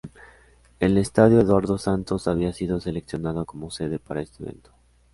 El estadio Eduardo Santos, había sido seleccionado como sede para este evento.